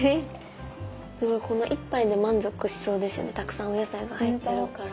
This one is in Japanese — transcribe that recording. すごいこの１杯で満足しそうですよねたくさんお野菜が入ってるから。